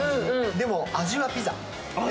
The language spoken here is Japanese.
でも、味はピザ。